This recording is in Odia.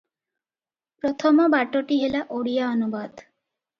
ପ୍ରଥମ ବାଟଟି ହେଲା ଓଡ଼ିଆ ଅନୁବାଦ ।